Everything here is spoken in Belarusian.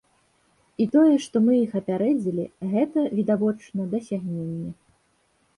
І тое, што мы іх апярэдзілі, гэта, відавочна, дасягненне.